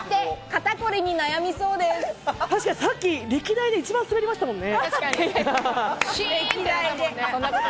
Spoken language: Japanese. さっき、歴代で一番スベりましたもんね。